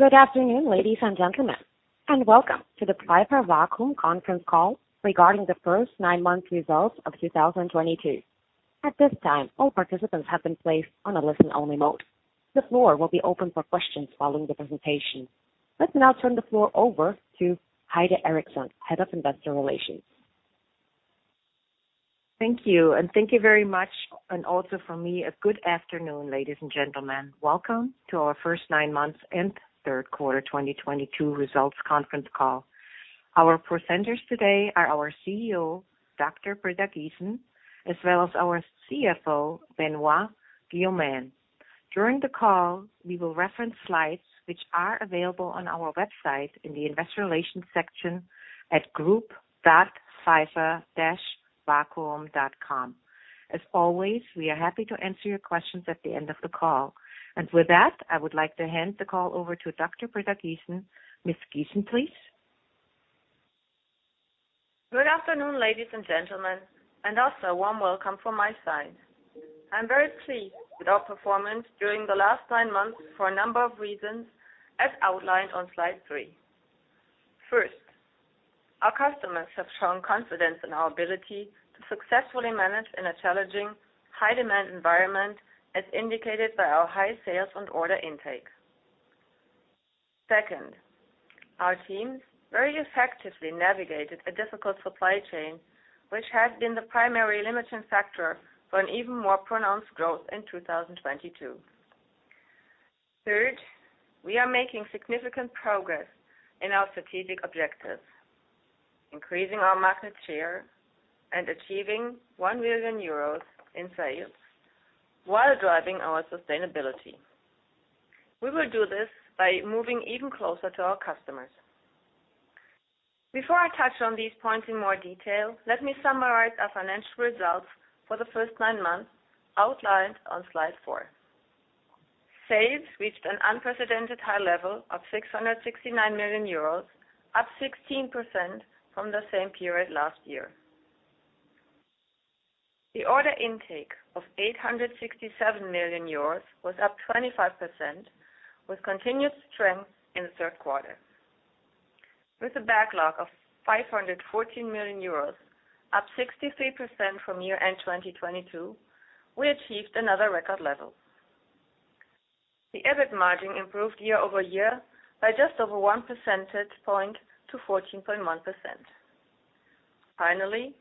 Good afternoon, ladies and gentlemen, and welcome to the Pfeiffer Vacuum conference call regarding the first 9 months results of 2022. At this time, all participants have been placed on a listen-only mode. The floor will be open for questions following the presentation. Let's now turn the floor over to Heide Erickson, Head of Investor Relations. Thank you, and thank you very much, and also from me, a good afternoon, ladies and gentlemen. Welcome to our first nine months and third quarter 2022 results conference call. Our presenters today are our CEO, Dr. Britta Giesen, as well as our CFO, Benoît Guillaumin. During the call, we will reference slides which are available on our website in the Investor Relations section at group.pfeiffer-vacuum.com. As always, we are happy to answer your questions at the end of the call. With that, I would like to hand the call over to Dr. Britta Giesen. Ms. Giesen, please. Good afternoon, ladies and gentlemen, and also a warm welcome from my side. I'm very pleased with our performance during the last nine months for a number of reasons, as outlined on slide 3. First, our customers have shown confidence in our ability to successfully manage in a challenging high demand environment, as indicated by our high sales and order intake. Second, our teams very effectively navigated a difficult supply chain, which has been the primary limiting factor for an even more pronounced growth in 2022. Third, we are making significant progress in our strategic objectives, increasing our market share and achieving 1 million euros in sales while driving our sustainability. We will do this by moving even closer to our customers. Before I touch on these points in more detail, let me summarize our financial results for the first nine months outlined on slide 4. Sales reached an unprecedented high level of 669 million euros, up 16% from the same period last year. The order intake of 867 million euros was up 25%, with continuous strength in the third quarter. With a backlog of 514 million euros, up 63% from year-end 2022, we achieved another record level. The EBIT margin improved year-over-year by just over 1 percentage point to 14.1%. Finally,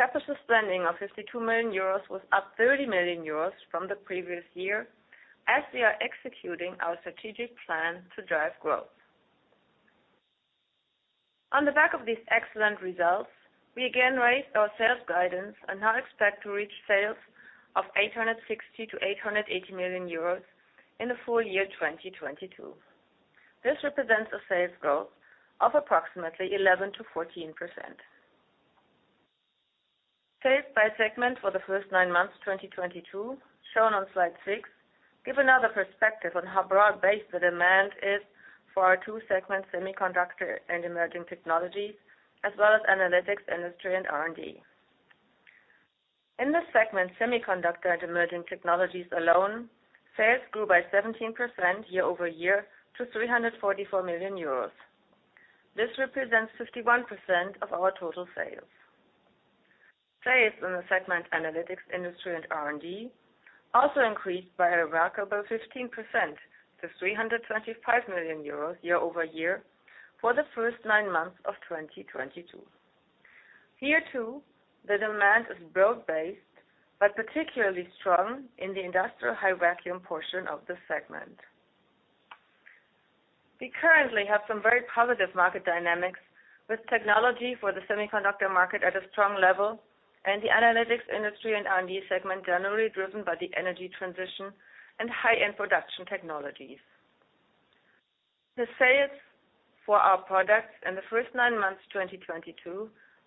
capital spending of 52 million euros was up 30 million euros from the previous year as we are executing our strategic plan to drive growth. On the back of these excellent results, we again raised our sales guidance and now expect to reach sales of 860 million-880 million euros in the full year 2022. This represents a sales growth of approximately 11%-14%. Sales by segment for the first nine months 2022, shown on slide 6, give another perspective on how broad-based the demand is for our two segments, Semiconductor and Emerging Technologies, as well as Analytics, Industry and R&D. In the segment Semiconductor and Emerging Technologies alone, sales grew by 17% year over year to 344 million euros. This represents 51% of our total sales. Sales in the segment Analytics, Industry and R&D also increased by a remarkable 15% to 325 million euros year over year for the first nine months of 2022. Here, too, the demand is broad-based but particularly strong in the industrial high vacuum portion of the segment. We currently have some very positive market dynamics with technology for the semiconductor market at a strong level and the Analytics, Industry and R&D segment generally driven by the energy transition and high-end production technologies. The sales for our products in the first nine months 2022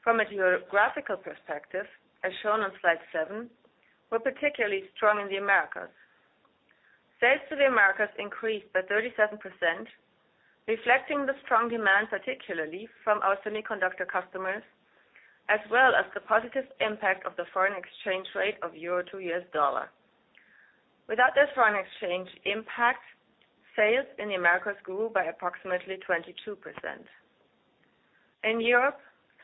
from a geographical perspective, as shown on slide 7, were particularly strong in the Americas. Sales to the Americas increased by 37%, reflecting the strong demand, particularly from our semiconductor customers, as well as the positive impact of the foreign exchange rate of euro to US dollar. Without this foreign exchange impact, sales in the Americas grew by approximately 22%. In Europe,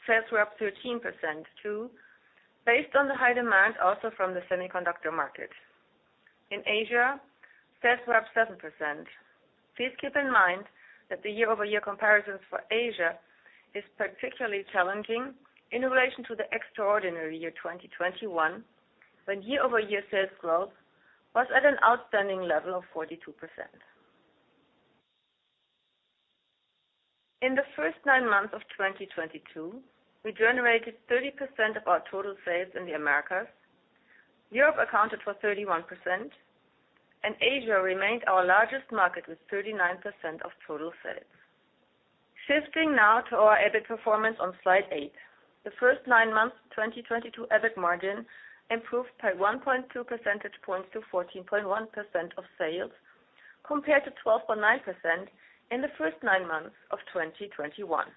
sales were up 13% too, based on the high demand also from the semiconductor market. In Asia, sales were up 7%. Please keep in mind that the year-over-year comparisons for Asia is particularly challenging in relation to the extraordinary year 2021, when year-over-year sales growth was at an outstanding level of 42%. In the first nine months of 2022, we generated 30% of our total sales in the Americas. Europe accounted for 31%, and Asia remained our largest market with 39% of total sales. Shifting now to our EBIT performance on slide eight. The first nine months 2022 EBIT margin improved by 1.2 percentage points to 14.1% of sales, compared to 12.9% in the first nine months of 2021.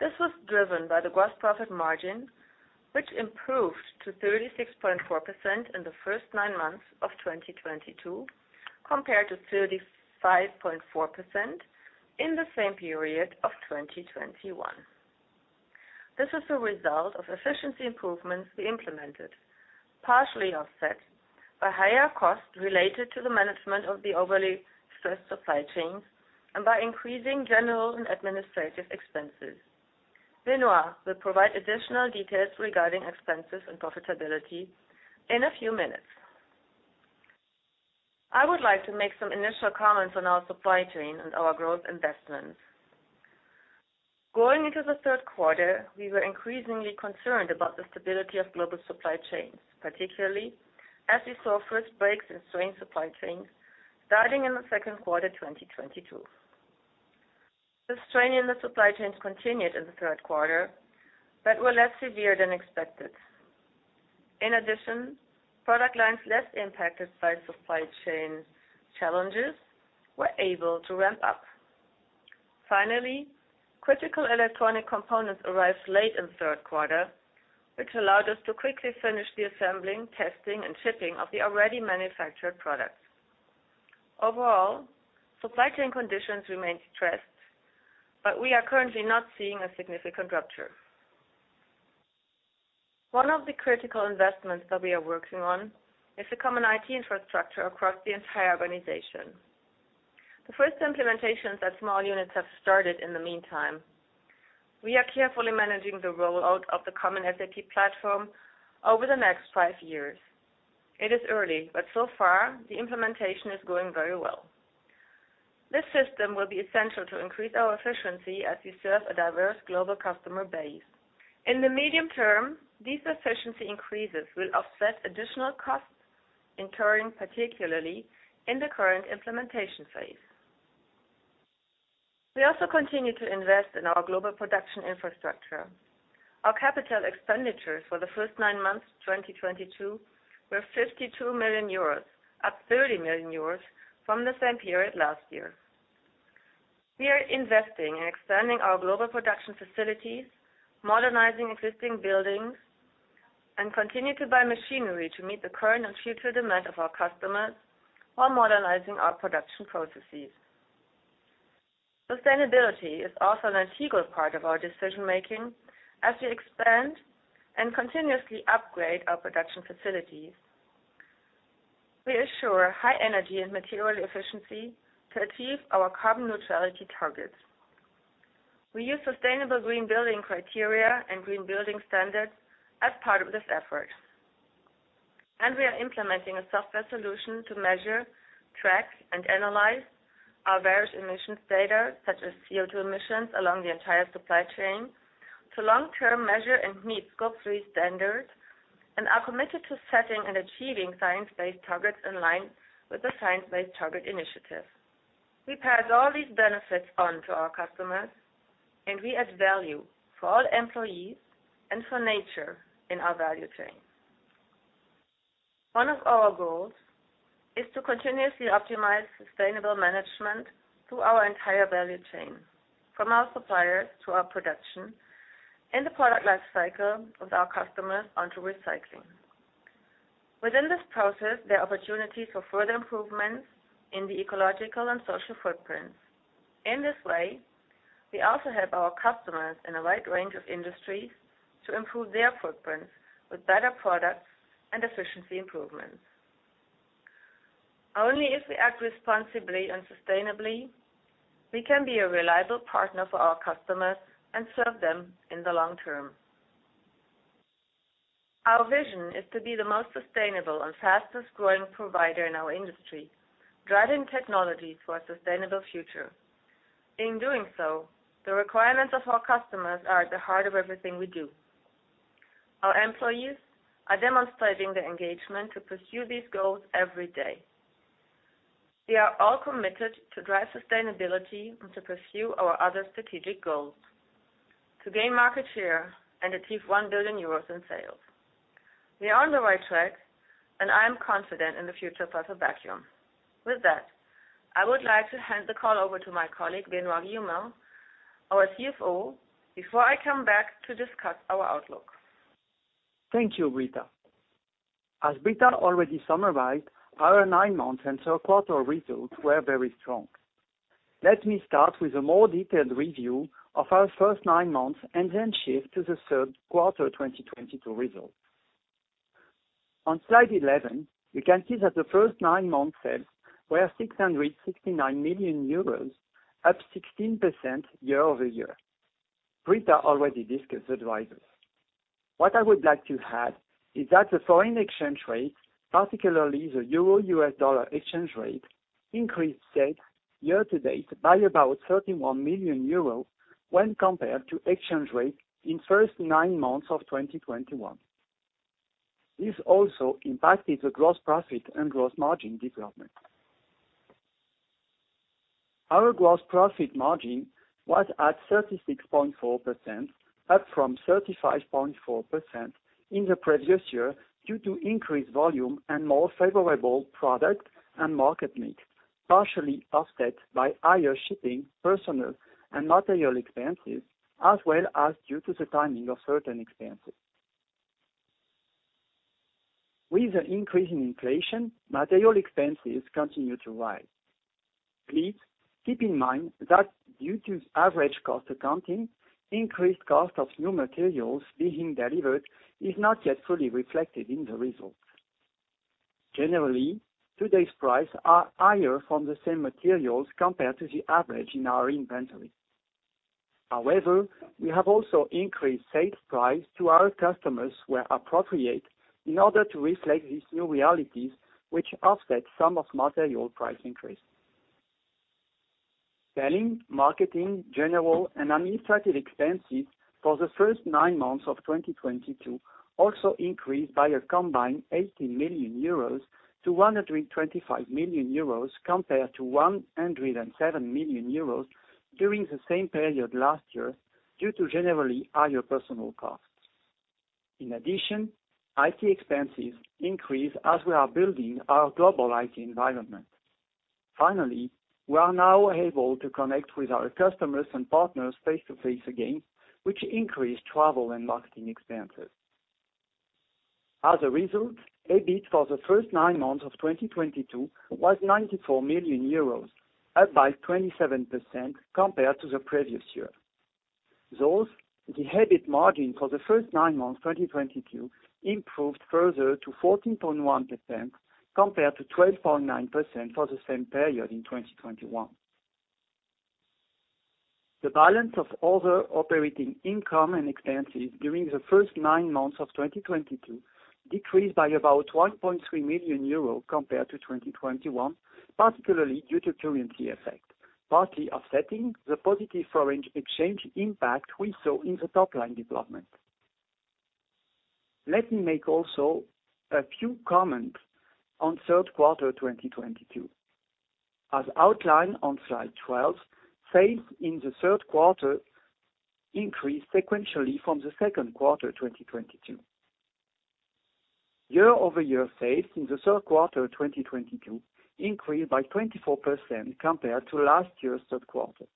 This was driven by the gross profit margin, which improved to 36.4% in the first nine months of 2022, compared to 35.4% in the same period of 2021. This was the result of efficiency improvements we implemented, partially offset by higher costs related to the management of the overly stressed supply chains and by increasing general and administrative expenses. Benoît will provide additional details regarding expenses and profitability in a few minutes. I would like to make some initial comments on our supply chain and our growth investments. Going into the third quarter, we were increasingly concerned about the stability of global supply chains, particularly as we saw first breaks in strained supply chains starting in the second quarter, 2022. The strain in the supply chains continued in the third quarter, but were less severe than expected. In addition, product lines less impacted by supply chain challenges were able to ramp up. Finally, critical electronic components arrived late in the third quarter, which allowed us to quickly finish the assembling, testing, and shipping of the already manufactured products. Overall, supply chain conditions remain stressed, but we are currently not seeing a significant rupture. One of the critical investments that we are working on is the common IT infrastructure across the entire organization. The first implementations at small units have started in the meantime. We are carefully managing the rollout of the common SAP platform over the next five years. It is early, but so far, the implementation is going very well. This system will be essential to increase our efficiency as we serve a diverse global customer base. In the medium term, these efficiency increases will offset additional costs incurring, particularly in the current implementation phase. We also continue to invest in our global production infrastructure. Our capital expenditures for the first nine months, 2022, were 52 million euros, up 30 million euros from the same period last year. We are investing in expanding our global production facilities, modernizing existing buildings, and continue to buy machinery to meet the current and future demand of our customers while modernizing our production processes. Sustainability is also an integral part of our decision-making as we expand and continuously upgrade our production facilities. We assure high energy and material efficiency to achieve our carbon neutrality targets. We use sustainable green building criteria and green building standards as part of this effort. We are implementing a software solution to measure, track, and analyze our various emissions data, such as CO2 emissions along the entire supply chain, to long-term measure and meet Scope 3 standards, and are committed to setting and achieving science-based targets in line with the Science Based Targets initiative. We pass all these benefits on to our customers, and we add value for all employees and for nature in our value chain. One of our goals is to continuously optimize sustainable management through our entire value chain, from our suppliers to our production, and the product life cycle with our customers onto recycling. Within this process, there are opportunities for further improvements in the ecological and social footprints. In this way, we also help our customers in a wide range of industries to improve their footprints with better products and efficiency improvements. Only if we act responsibly and sustainably, we can be a reliable partner for our customers and serve them in the long term. Our vision is to be the most sustainable and fastest-growing provider in our industry, driving technology for a sustainable future. In doing so, the requirements of our customers are at the heart of everything we do. Our employees are demonstrating their engagement to pursue these goals every day. We are all committed to drive sustainability and to pursue our other strategic goals, to gain market share and achieve 1 billion euros in sales. We are on the right track, and I am confident in the future of Pfeiffer Vacuum. With that, I would like to hand the call over to my colleague, Benoît Guillaumin, our CFO, before I come back to discuss our outlook. Thank you, Britta. As Britta already summarized, our nine months and third quarter results were very strong. Let me start with a more detailed review of our first nine months and then shift to the third quarter 2022 results. On slide 11, we can see that the first nine months sales were 669 million euros, up 16% year-over-year. Britta already discussed the drivers. What I would like to add is that the foreign exchange rate, particularly the euro-U.S. dollar exchange rate, increased sales year to date by about 31 million euros when compared to exchange rate in first nine months of 2021. This also impacted the gross profit and gross margin development. Our gross profit margin was at 36.4%. Up from 35.4% in the previous year due to increased volume and more favorable product and market mix, partially offset by higher shipping, personnel and material expenses, as well as due to the timing of certain expenses. With the increase in inflation, material expenses continue to rise. Please keep in mind that due to average cost accounting, increased cost of new materials being delivered is not yet fully reflected in the results. Generally, today's prices are higher for the same materials compared to the average in our inventory. However, we have also increased sales prices to our customers where appropriate in order to reflect these new realities, which offset some of the material price increase. Selling, marketing, general and administrative expenses for the first nine months of 2022 also increased by a combined 80 million euros to 125 million euros compared to 107 million euros during the same period last year, due to generally higher personnel costs. In addition, IT expenses increase as we are building our global IT environment. Finally, we are now able to connect with our customers and partners face-to-face again, which increase travel and marketing expenses. As a result, EBIT for the first nine months of 2022 was 94 million euros, up by 27% compared to the previous year. Thus, the EBIT margin for the first nine months, 2022 improved further to 14.1% compared to 12.9% for the same period in 2021. The balance of other operating income and expenses during the first nine months of 2022 decreased by about 1.3 million euros compared to 2021, particularly due to currency effect, partly offsetting the positive foreign exchange impact we saw in the top line development. Let me make also a few comments on third quarter 2022. As outlined on slide 12, sales in the third quarter increased sequentially from the second quarter, 2022. Year-over-year sales in the third quarter of 2022 increased by 24% compared to last year's third quarter.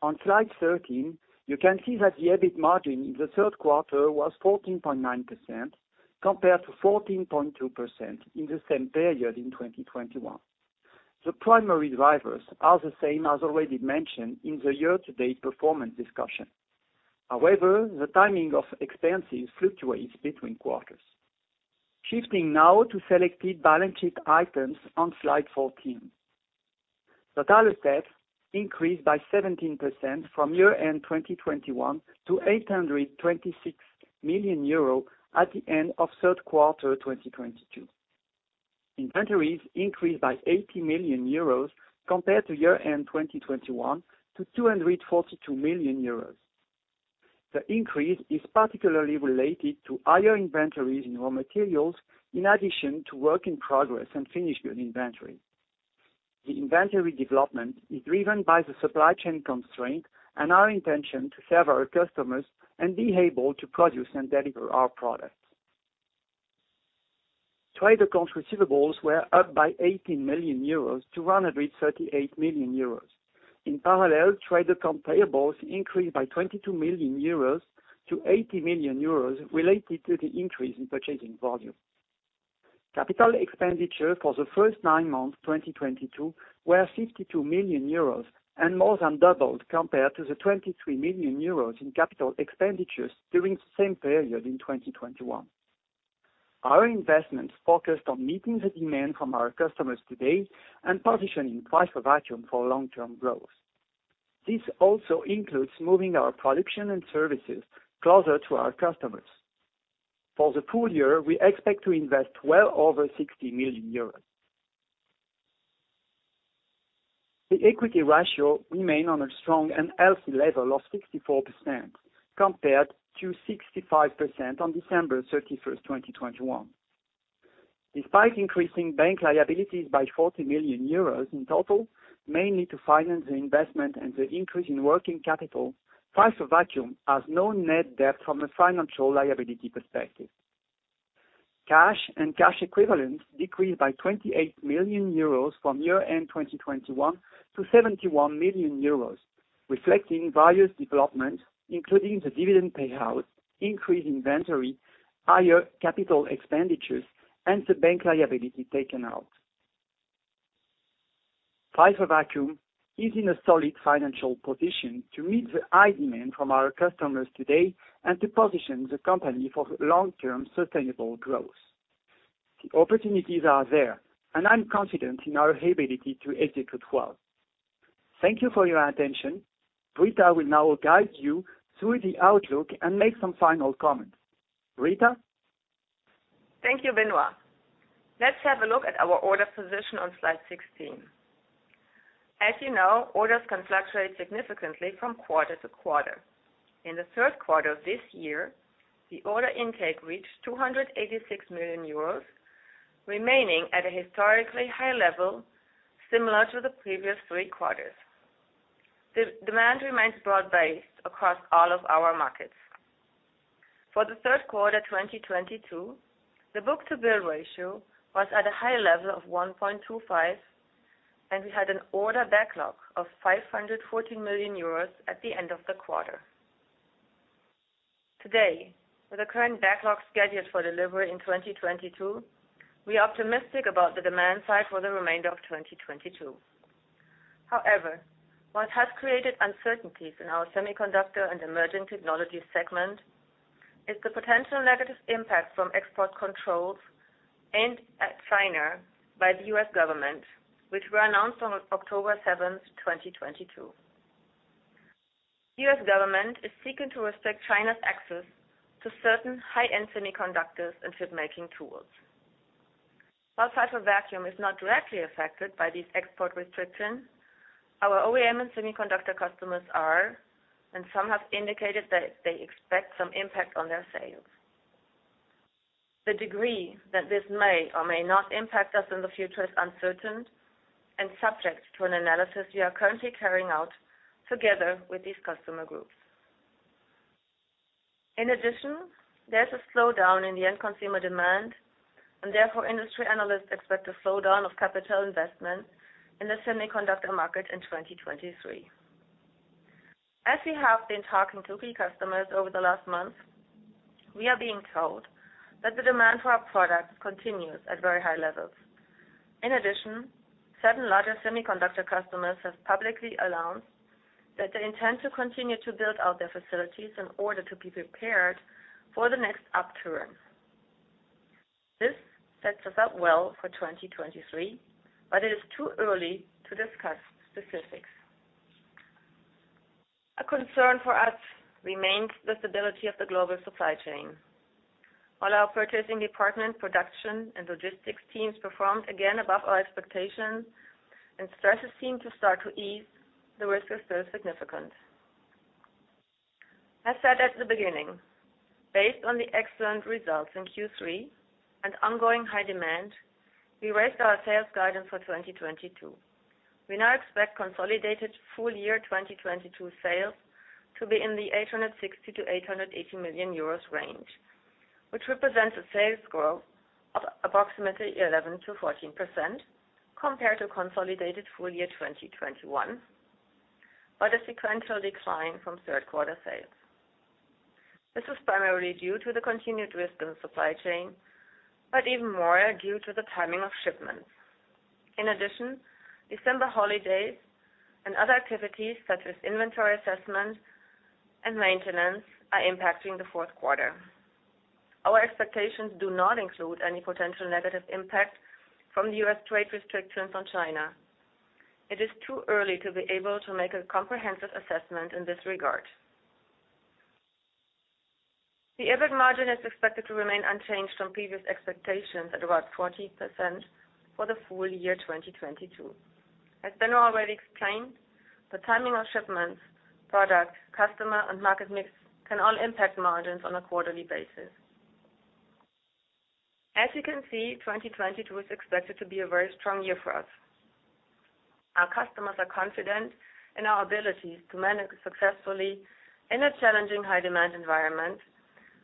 On slide 13, you can see that the EBIT margin in the third quarter was 14.9% compared to 14.2% in the same period in 2021. The primary drivers are the same as already mentioned in the year-to-date performance discussion. However, the timing of expenses fluctuates between quarters. Shifting now to selected balance sheet items on slide 14. Total assets increased by 17% from year-end 2021 to 826 million euro at the end of third quarter 2022. Inventories increased by 80 million euros compared to year-end 2021 to 242 million euros. The increase is particularly related to higher inventories in raw materials in addition to work in progress and finished goods inventory. The inventory development is driven by the supply chain constraint and our intention to serve our customers and be able to produce and deliver our products. Trade account receivables were up by 18 million euros to 138 million euros. In parallel, trade account payables increased by 22 million euros to 80 million euros related to the increase in purchasing volume. Capital expenditure for the first nine months, 2022 were 52 million euros and more than doubled compared to the 23 million euros in capital expenditures during the same period in 2021. Our investments focused on meeting the demand from our customers today and positioning Pfeiffer Vacuum for long-term growth. This also includes moving our production and services closer to our customers. For the full year, we expect to invest well over 60 million euros. The equity ratio remain on a strong and healthy level of 64% compared to 65% on December 31st, 2021. Despite increasing bank liabilities by 40 million euros in total, mainly to finance the investment and the increase in working capital, Pfeiffer Vacuum has no net debt from a financial liability perspective. Cash and cash equivalents decreased by 28 million euros from year-end 2021 to 71 million euros, reflecting various developments, including the dividend payout, increased inventory, higher capital expenditures, and the bank loan taken out. Pfeiffer Vacuum is in a solid financial position to meet the high demand from our customers today and to position the company for long-term sustainable growth. The opportunities are there, and I'm confident in our ability to execute well. Thank you for your attention. Britta Giesen will now guide you through the outlook and make some final comments. Britta? Thank you, Benoît. Let's have a look at our order position on slide 16. As you know, orders can fluctuate significantly from quarter to quarter. In the third quarter of this year, the order intake reached 286 million euros, remaining at a historically high level similar to the previous three quarters. The demand remains broad-based across all of our markets. For the third quarter, 2022, the book-to-bill ratio was at a high level of 1.25, and we had an order backlog of 514 million euros at the end of the quarter. Today, with the current backlog scheduled for delivery in 2022, we are optimistic about the demand side for the remainder of 2022. However, what has created uncertainties in our Semiconductor and Emerging Technologies segment is the potential negative impact from export controls aimed at China by the U.S. government, which were announced on October 7th, 2022. U.S. government is seeking to restrict China's access to certain high-end semiconductors and chipmaking tools. While Pfeiffer Vacuum is not directly affected by these export restrictions, our OEM and semiconductor customers are, and some have indicated that they expect some impact on their sales. The degree that this may or may not impact us in the future is uncertain and subject to an analysis we are currently carrying out together with these customer groups. In addition, there's a slowdown in the end consumer demand and therefore, industry analysts expect a slowdown of capital investment in the semiconductor market in 2023. As we have been talking to key customers over the last month, we are being told that the demand for our products continues at very high levels. In addition, certain larger semiconductor customers have publicly announced that they intend to continue to build out their facilities in order to be prepared for the next upturn. This sets us up well for 2023, but it is too early to discuss specifics. A concern for us remains the stability of the global supply chain. While our purchasing department, production and logistics teams performed again above our expectations and stresses seem to start to ease, the risk is still significant. I said at the beginning, based on the excellent results in Q3 and ongoing high demand, we raised our sales guidance for 2022. We now expect consolidated full year 2022 sales to be in the 860 million-880 million euros range, which represents a sales growth of approximately 11%-14% compared to consolidated full year 2021, but a sequential decline from third quarter sales. This was primarily due to the continued risk in the supply chain, but even more due to the timing of shipments. In addition, December holidays and other activities such as inventory assessments and maintenance are impacting the fourth quarter. Our expectations do not include any potential negative impact from the U.S. trade restrictions on China. It is too early to be able to make a comprehensive assessment in this regard. The EBIT margin is expected to remain unchanged from previous expectations at about 40% for the full year 2022. As Benoît already explained, the timing of shipments, product, customer and market mix can all impact margins on a quarterly basis. As you can see, 2022 is expected to be a very strong year for us. Our customers are confident in our ability to manage successfully in a challenging high demand environment.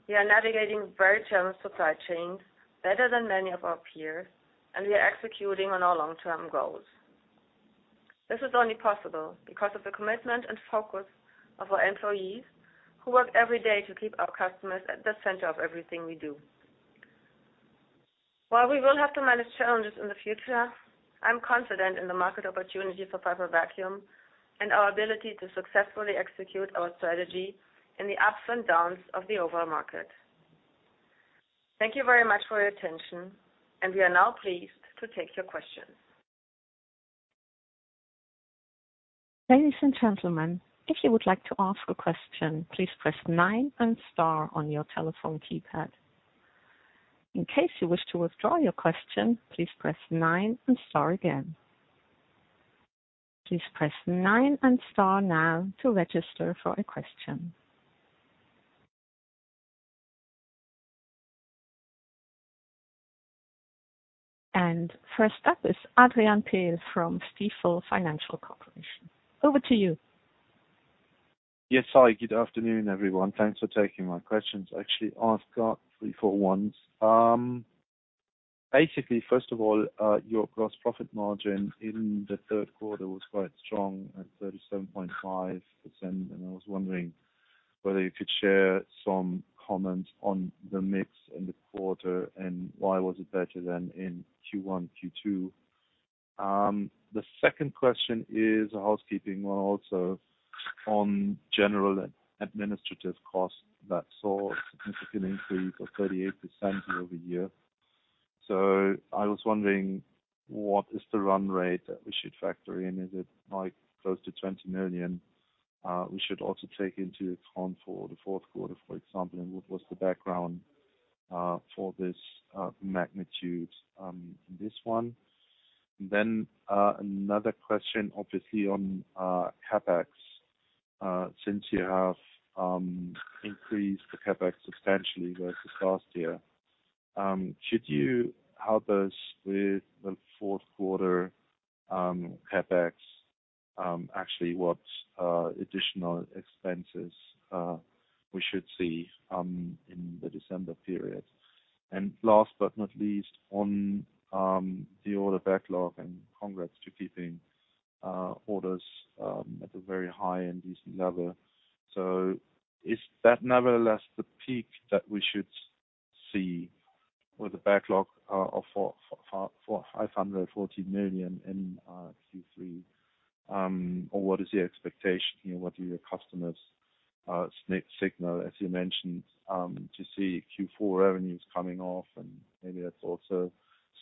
We are navigating very challenged supply chains better than many of our peers, and we are executing on our long-term goals. This is only possible because of the commitment and focus of our employees who work every day to keep our customers at the center of everything we do. While we will have to manage challenges in the future, I'm confident in the market opportunity for Pfeiffer Vacuum and our ability to successfully execute our strategy in the ups and downs of the overall market. Thank you very much for your attention, and we are now pleased to take your questions. Ladies and gentlemen, if you would like to ask a question, please press nine and star on your telephone keypad. In case you wish to withdraw your question, please press nine and star again. Please press nine and star now to register for a question. First up is Adrian Pehl from Stifel Financial Corp. Over to you. Yes. Hi, good afternoon, everyone. Thanks for taking my questions. Actually, I've got three for once. Basically, first of all, your gross profit margin in the third quarter was quite strong at 37.5%, and I was wondering whether you could share some comments on the mix in the quarter and why was it better than in Q1, Q2? The second question is a housekeeping one also on general administrative costs that saw a significant increase of 38% year-over-year. So I was wondering what is the run rate that we should factor in? Is it like close to 20 million? We should also take into account for the fourth quarter, for example, and what was the background for this magnitude, this one. Another question obviously on CapEx. Since you have increased the CapEx substantially versus last year, should you help us with the fourth quarter CapEx, actually what additional expenses we should see in the December period. Last but not least on the order backlog, and congrats to keeping orders at a very high and decent level. Is that nevertheless the peak that we should see with a backlog of 540 million in Q3? Or what is your expectation? You know, what do your customers signal, as you mentioned, to see Q4 revenues coming off, and maybe that's also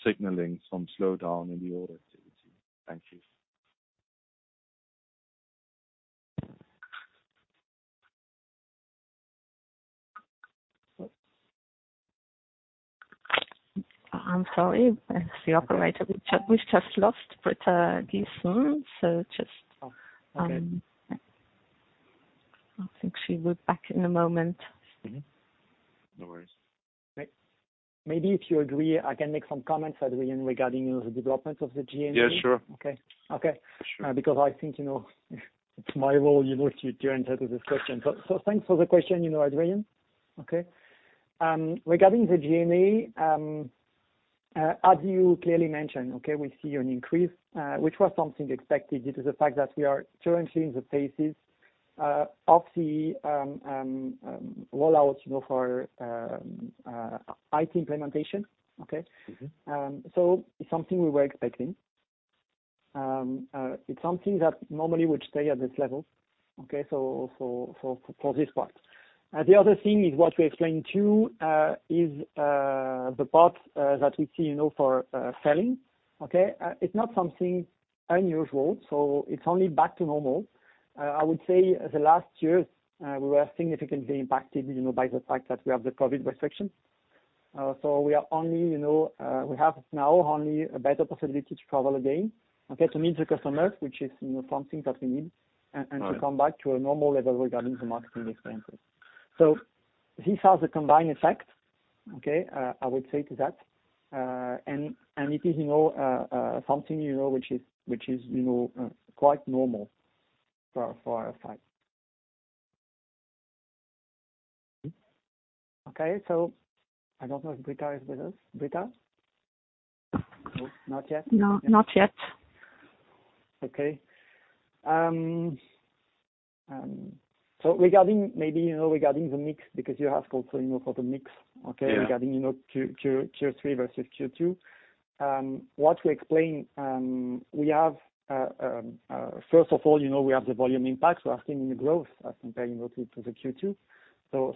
signaling some slowdown in the order activity. Thank you. I'm sorry. It's the operator. We've just lost Britta Giesen. Just, Oh, okay. I think she'll be back in a moment. Mm-hmm. No worries. Maybe if you agree, I can make some comments, Adrian, regarding the development of the G&A. Yeah, sure. Okay. Okay. Sure. Because I think, you know, it's my role, you know, to answer to this question. Thanks for the question, you know, Adrian. Okay. Regarding the G&A, as you clearly mentioned, okay, we see an increase, which was something expected due to the fact that we are currently in the phases of the rollout, you know, for IT implementation. Okay. Mm-hmm. It's something we were expecting. It's something that normally would stay at this level. Okay, for this part. The other thing is what we explained to you is the part that we see, you know, for selling. Okay. It's not something unusual, so it's only back to normal. I would say the last year we were significantly impacted, you know, by the fact that we have the COVID restriction. We have now only a better possibility to travel again, okay. To meet the customers, which is, you know, something that we need and to come back to a normal level regarding the marketing expenses. This has a combined effect, okay, I would say to that. It is, you know, something, you know, which is, you know, quite normal for our side. Okay. I don't know if Britta is with us. Britta? Not yet? No, not yet. Okay. Regarding the mix, because you asked also, you know, for the mix, okay. Yeah. Regarding, you know, Q3 versus Q2, what we explain, we have, first of all, you know, we have the volume impact we are seeing in the growth as comparing also to the Q2.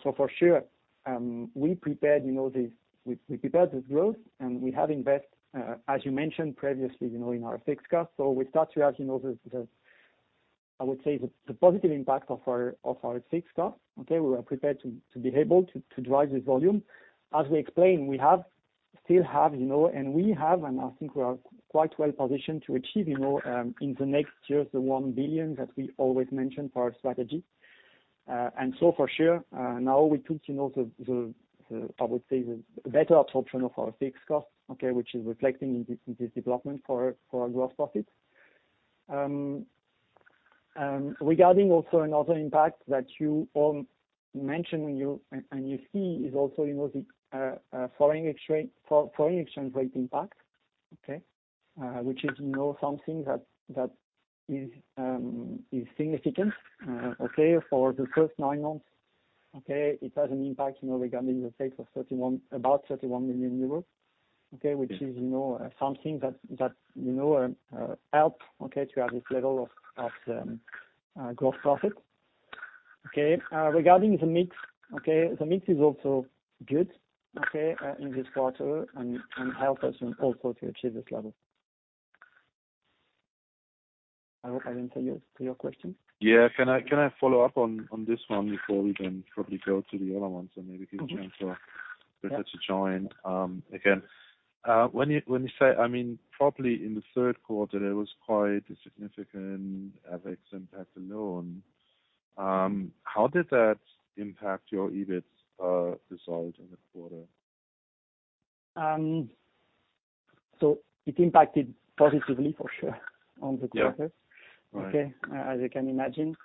For sure, we prepared, you know, this. We prepared this growth, and we have invest, as you mentioned previously, you know, in our fixed cost. We start to have, you know, the, I would say, the positive impact of our fixed cost. Okay. We were prepared to be able to drive this volume. As we explained, we still have, you know, and I think we are quite well positioned to achieve, you know, in the next year, the 1 billion that we always mention for our strategy. For sure, now we put, you know, the better absorption of our fixed cost, okay, which is reflecting in this development for our gross profit. Regarding also another impact that you mentioned. You see is also, you know, the foreign exchange rate impact, okay? Which is, you know, something that is significant, okay, for the first nine months. Okay? It has an impact, you know, regarding the sales for about 31 million euros, okay, which is, you know, something that helps, okay, to have this level of gross profit. Okay. Regarding the mix, okay, the mix is also good, okay, in this quarter and help us also to achieve this level. I hope I answer to your question. Yeah. Can I follow up on this one before we then probably go to the other one, so maybe give a chance for Britta to join again? When you say, I mean, probably in the third quarter, there was quite a significant FX impact alone. How did that impact your EBIT result in the quarter? It impacted positively for sure on the quarter. Yeah. Right. Okay. As you can imagine,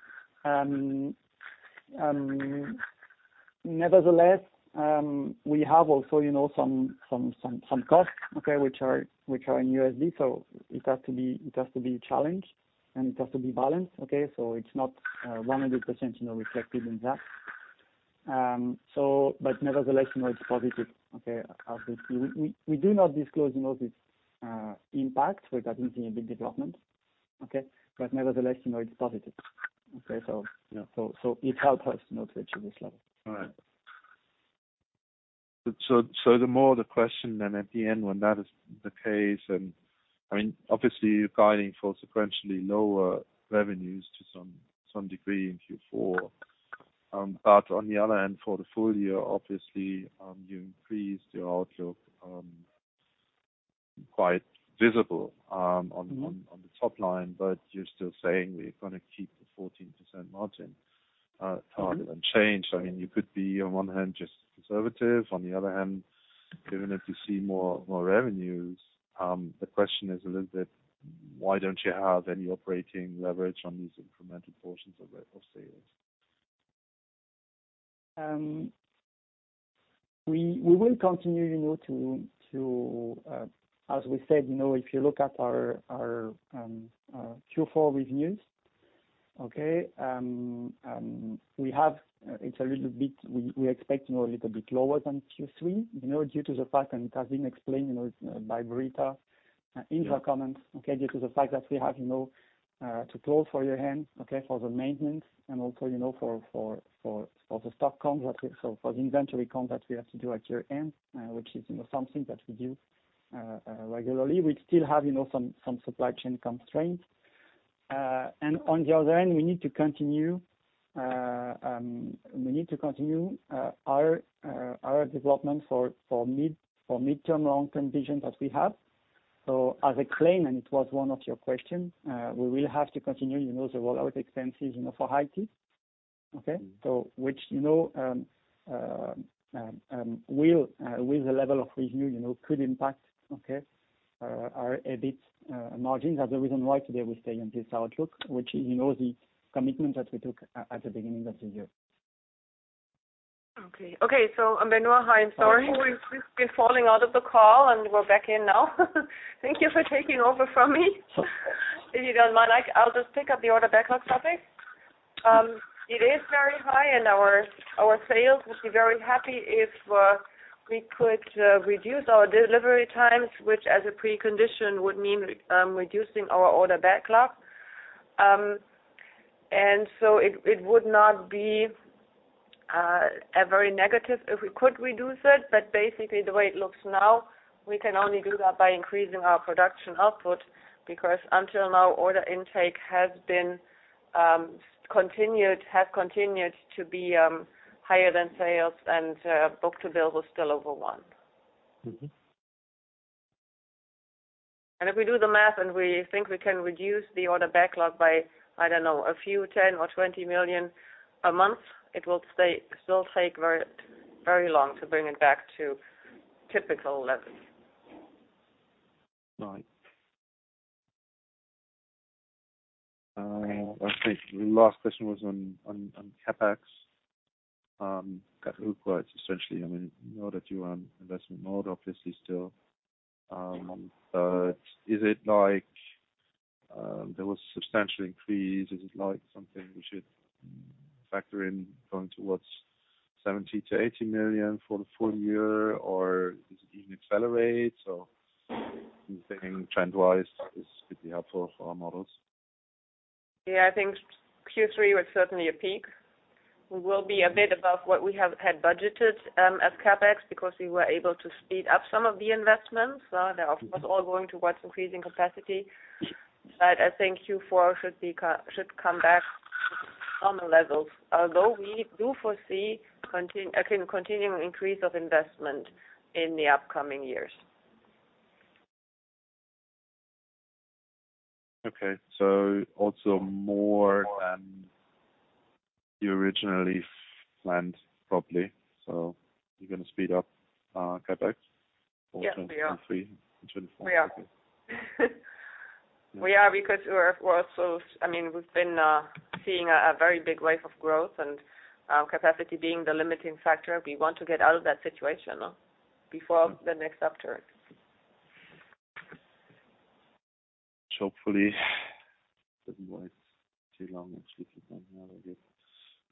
nevertheless, we have also, you know, some costs, okay, which are in USD, so it has to be challenged, and it has to be balanced. Okay. It's not 100%, you know, reflected in that. But nevertheless, you know, it's positive. Okay. We do not disclose, you know, the impact regarding the EBIT development, okay. Nevertheless, you know, it's positive. Okay. Yeah. It helped us, you know, to achieve this level. All right. The main question then at the end when that is the case. I mean, obviously, you're guiding for sequentially lower revenues to some degree in Q4. On the other hand, for the full year, obviously, you increased your outlook. Quite visible on the top line, but you're still saying we're gonna keep the 14% margin target unchanged. I mean, you could be on one hand, just conservative. On the other hand, given that you see more revenues, the question is a little bit, why don't you have any operating leverage on these incremental portions of sales? We will continue, you know, to as we said, you know, if you look at our Q4 revenues, okay, we expect, you know, a little bit lower than Q3, you know, due to the fact, and it has been explained, you know, by Britta in her comments, okay. Due to the fact that we have, you know, to close for year-end, okay, for the maintenance and also, you know, for the stock count. So for the inventory count that we have to do at year-end, which is, you know, something that we do regularly. We still have, you know, some supply chain constraints. On the other end, we need to continue our development for midterm long-term vision that we have. As I claim, and it was one of your questions, we will have to continue, you know, the rollout expenses, you know, for high key, okay? Which, you know, will with the level of revenue, you know, could impact, okay, our EBIT margins. That's the reason why today we stay in this outlook, which is, you know, the commitment that we took at the beginning of the year. Okay, Benoît, hi, I'm sorry. We've been falling out of the call, and we're back in now. Thank you for taking over from me. If you don't mind, I'll just pick up the order backlog topic. It is very high, and our sales would be very happy if we could reduce our delivery times, which as a precondition would mean reducing our order backlog. It would not be a very negative if we could reduce it, but basically the way it looks now, we can only do that by increasing our production output, because until now, order intake has continued to be higher than sales and book-to-bill was still over one. Mm-hmm. If we do the math and we think we can reduce the order backlog by, I don't know, a few 10 million or 20 million a month, it will still take very, very long to bring it back to typical levels. Right. I think the last question was on CapEx requirements essentially. I mean, we know that you are on investment mode, obviously still. But is it like there was substantial increase. Is it like something we should factor in going towards 70 million-80 million for the full year? Or is it even accelerate? Anything trend-wise is, could be helpful for our models. Yeah, I think Q3 was certainly a peak. We will be a bit above what we have had budgeted as CapEx, because we were able to speed up some of the investments. They're of course all going towards increasing capacity. I think Q4 should come back on the levels. Although we do foresee continuing increase of investment in the upcoming years. Okay. Also more than you originally planned, probably. You're gonna speed up CapEx. Yes, we are. For 2023, 2024. We are. We are because we're also, I mean, we've been seeing a very big wave of growth and capacity being the limiting factor. We want to get out of that situation before the next upturn. Hopefully, doesn't wait too long actually for that now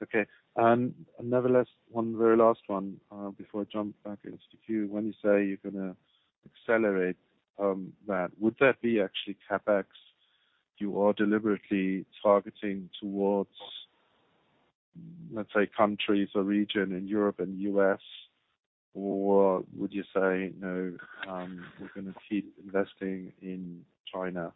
I guess. Okay. Nevertheless, one very last one, before I jump back into the queue. When you say you're gonna accelerate, that, would that be actually CapEx you are deliberately targeting towards, let's say, countries or region in Europe and U.S.? Or would you say, no, we're gonna keep investing in China?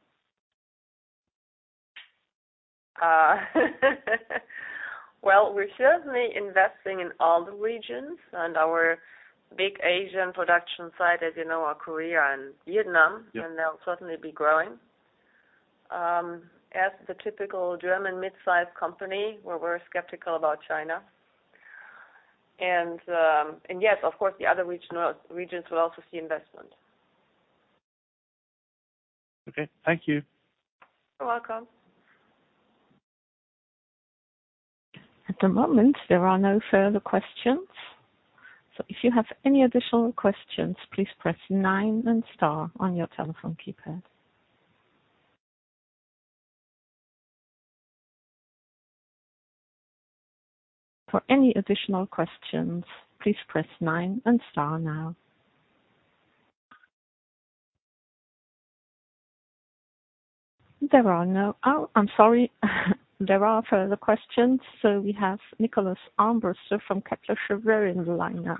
Well, we're certainly investing in all the regions and our big Asian production site, as you know, are Korea and Vietnam. Yeah. They'll certainly be growing. As the typical German mid-sized company, we're skeptical about China. Yes, of course, the other regions will also see investment. Okay. Thank you. You're welcome. At the moment, there are no further questions. If you have any additional questions, please press nine and star on your telephone keypad. For any additional questions, please press nine and star now. Oh, I'm sorry. There are further questions. We have Nicolas Armbruster from Kepler Cheuvreux on the line now.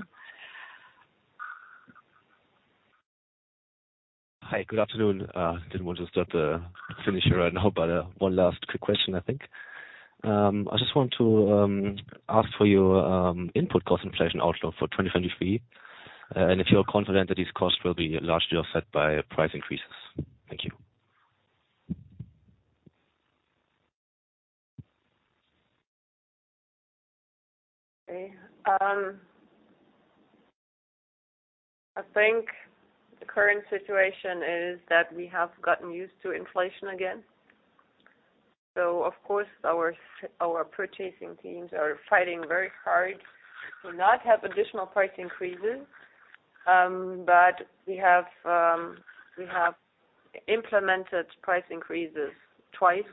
Hi, good afternoon. One last quick question, I think. I just want to ask for your input cost inflation outlook for 2023 and if you're confident that these costs will be largely offset by price increases. Thank you. Okay. I think the current situation is that we have gotten used to inflation again. Of course, our purchasing teams are fighting very hard to not have additional price increases. We have implemented price increases twice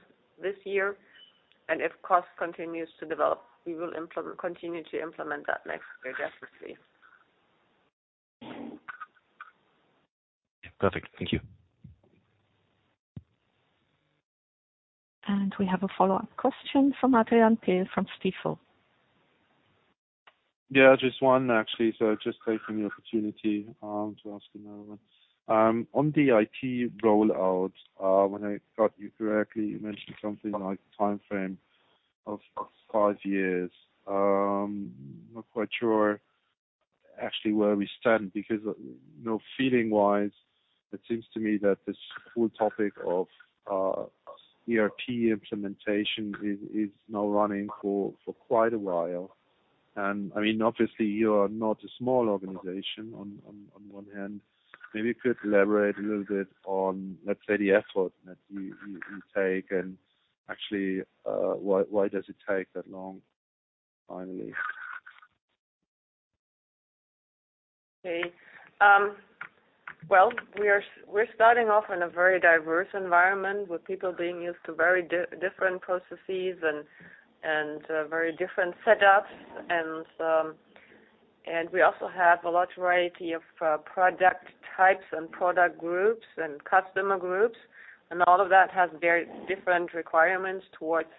this year, and if cost continues to develop, we will continue to implement that next year, definitely. Perfect. Thank you. We have a follow-up question from Adrian Pehl from Stifel. Yeah, just one, actually. Just taking the opportunity to ask another one. On the IT rollout, when I got you correctly, you mentioned something like timeframe of 5 years. I'm not quite sure actually where we stand because, you know, feeling-wise, it seems to me that this whole topic of ERP implementation is now running for quite a while. I mean, obviously, you're not a small organization on one hand. Maybe you could elaborate a little bit on, let's say, the effort that you take and actually, why does it take that long, finally? Well, we're starting off in a very diverse environment with people being used to very different processes and very different setups. We also have a large variety of product types and product groups and customer groups, and all of that has very different requirements towards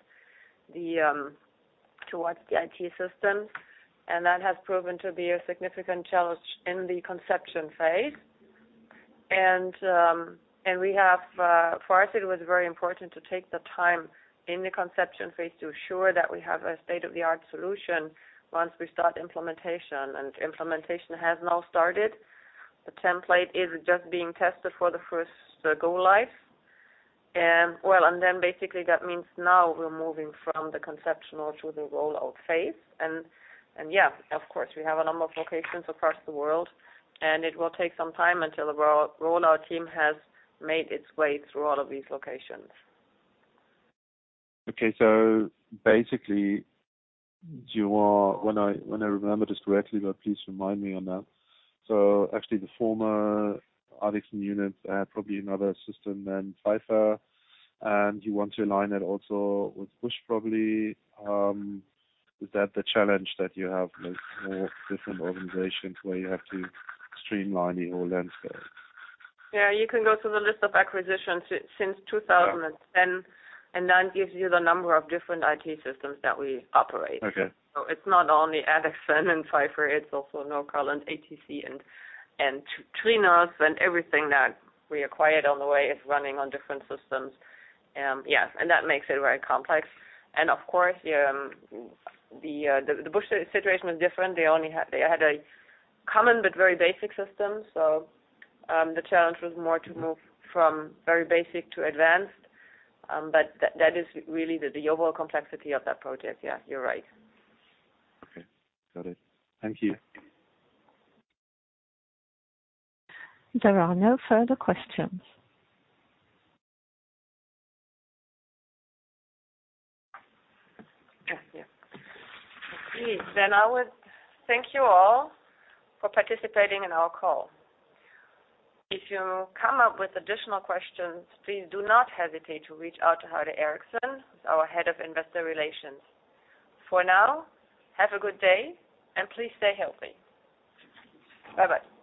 the IT systems. That has proven to be a significant challenge in the conception phase. For us, it was very important to take the time in the conception phase to ensure that we have a state-of-the-art solution once we start implementation, and implementation has now started. The template is just being tested for the first go live. Well, then basically that means now we're moving from the conceptual to the rollout phase. Yeah, of course, we have a number of locations across the world, and it will take some time until the rollout team has made its way through all of these locations. Okay. Basically, when I remember this correctly, but please remind me on that. Actually the former Adixen units had probably another system than Pfeiffer, and you want to align that also with Busch probably. Is that the challenge that you have, like, all different organizations where you have to streamline the whole landscape? Yeah. You can go through the list of acquisitions since 2010, and that gives you the number of different IT systems that we operate. Okay. It's not only Adixen and Pfeiffer, it's also Nor-Cal and ATC and Trinos and everything that we acquired on the way is running on different systems. Yes, that makes it very complex. Of course, the Busch situation is different. They had a common but very basic system. The challenge was more to move from very basic to advanced. That is really the overall complexity of that project. Yeah, you're right. Okay. Got it. Thank you. There are no further questions. Thank you. Agreed. I would thank you all for participating in our call. If you come up with additional questions, please do not hesitate to reach out to Heide Erickson, our Head of Investor Relations. For now, have a good day, and please stay healthy. Bye-bye.